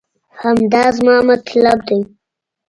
همدا زما مطلب دی